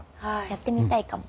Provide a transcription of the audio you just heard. やってみたいかも。